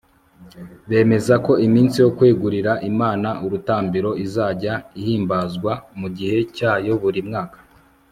bemeza ko iminsi yo kwegurira imana urutambiro izajya ihimbazwa mu gihe cyayo buri mwaka